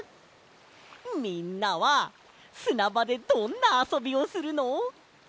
みんなはすなばでどんなあそびをするの？